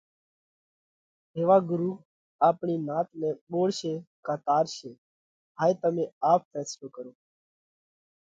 هيوا ڳرُو آپڻِي نات نئہ ٻوڙشي ڪا تارشي؟ هائي تمي آپ ڦينصلو ڪرو۔